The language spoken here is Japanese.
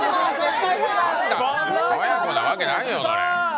親子のわけないよ、これ。